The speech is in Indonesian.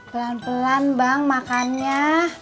pelan pelan bang makannya